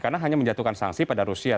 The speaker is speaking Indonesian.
karena hanya menjatuhkan sanksi pada rusia